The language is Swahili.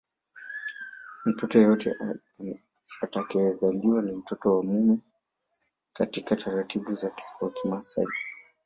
Mtoto yeyote atakayezaliwa ni mtoto wa mume katika utaratibu wa Kimasai